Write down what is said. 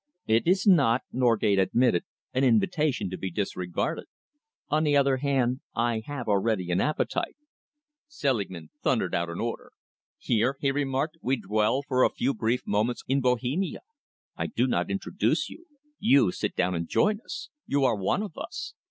"It is not," Norgate admitted, "an invitation to be disregarded. On the other hand, I have already an appetite." Selingman thundered out an order. "Here," he remarked, "we dwell for a few brief moments in Bohemia. I do not introduce you. You sit down and join us. You are one of us.